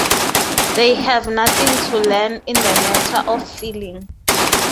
They have nothing to learn in the matter of feeling.